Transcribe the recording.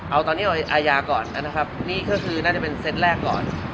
เอาตอนนี้เอาอาญาก่อนนะครับนี่ก็คือน่าจะเป็นเซตแรกก่อน